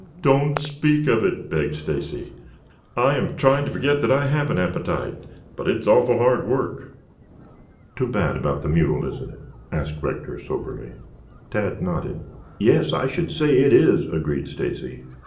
"Don't speak of it," begged Stacy. "I am trying to forget that I have an appetite, but it's awful hard work." "Too bad about the mule, isn't it?" asked Rector soberly. Tad nodded. "Yes, I should say it is," agreed Stacy.